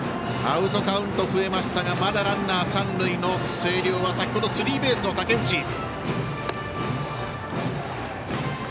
アウトカウント増えましたがまだランナー、三塁の星稜は先ほどスリーベースの武内。